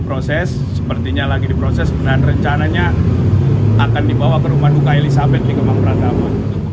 proses sepertinya lagi diproses dan rencananya akan dibawa ke rumah duka elizabeth di kemang pratama